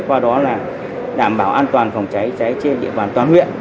qua đó là đảm bảo an toàn phòng cháy cháy trên địa bàn toàn huyện